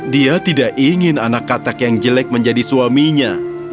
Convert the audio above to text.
dia tidak ingin anak katak yang jelek menjadi suaminya